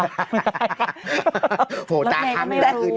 โอ้โฮตาฮัง